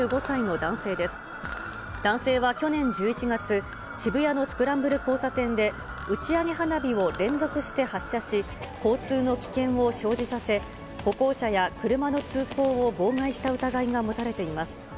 男性は去年１１月、渋谷のスクランブル交差点で、打ち上げ花火を連続して発射し、交通の危険を生じさせ、歩行者や車の通行を妨害した疑いが持たれています。